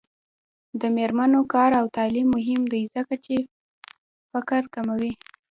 د میرمنو کار او تعلیم مهم دی ځکه چې فقر کموي.